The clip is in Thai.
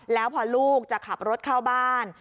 แล้วพอลูกจะขับรถเข้าบ้าน